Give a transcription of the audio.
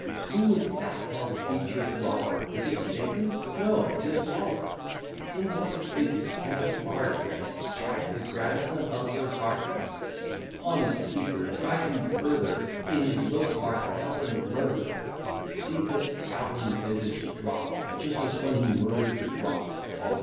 Who is that hell featured brawler? Is it Satan? No; 'tis Waller. In what figure can a bard dress Jack the grandson of Sir Hardress? Honest keeper, drive him further, In his looks are Hell and murther; See the scowling visage drop, Just as when he murder'd Throp.